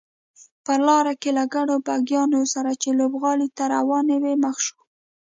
په لاره کې له ګڼو بګیانو سره چې لوبغالي ته روانې وې مخ شوو.